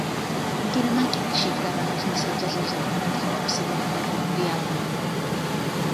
Amb quina màquina xifraven els missatges els alemanys durant la Segona Guerra Mundial?